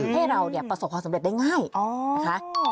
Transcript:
ให้เราเนี่ยประสบความสำเร็จได้ง่าย